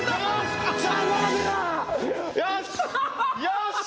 よし！